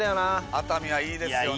熱海はいいですよね！